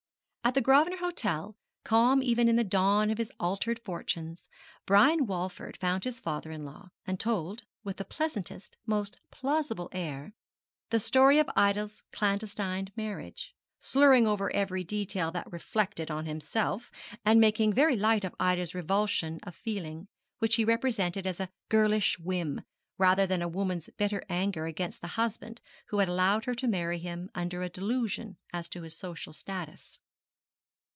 At the Grosvenor Hotel, calm even in the dawn of his altered fortunes, Brian Walford found his father in law, and told, with the pleasantest, most plausible air, the story of Ida's clandestine marriage, slurring over every detail that reflected on himself, and making very light of Ida's revulsion of feeling, which he represented as a girlish whim, rather than a woman's bitter anger against the husband who had allowed her to marry him under a delusion as to his social status.